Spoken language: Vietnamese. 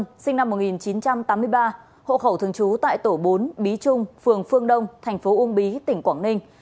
đối tượng đặng văn tuân sinh năm một nghìn chín trăm tám mươi ba hộ khẩu thường trú tại tổ bốn bí trung phường phương đông thành phố úng bí tỉnh quảng ninh